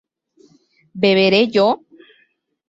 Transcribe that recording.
¿beberé yo?